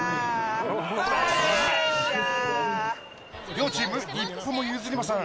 両チーム一歩も譲りません。